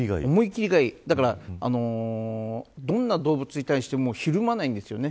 だから、どんな動物に対してもひるまないんですよね。